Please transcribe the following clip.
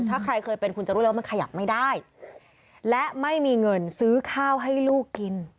ถ้าใครเคยเป็นคุณจะรู้เลยว่ามันขยับไม่ได้และไม่มีเงินซื้อข้าวให้ลูกกิน